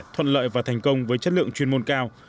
thuận lợi và thành công với chất lượng chuyên môn cao